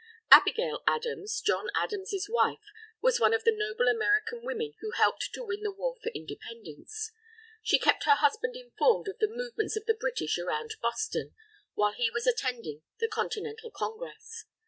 Abigail Adams, John Adams's wife, was one of the noble American women who helped to win the War for Independence. She kept her husband informed of the movements of the British around Boston, while he was attending the Continental Congress.